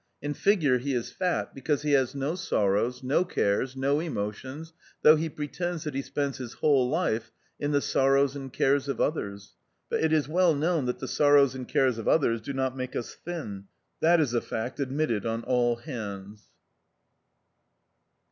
In figure he is fat, because he has no sorrows, no cares, no emotions, though he pretends that he spends his whole life in the sorrows and cares of others; but it is well known that the sorrows and cares of others do not make us thin ; that is a fact admitted on all hands.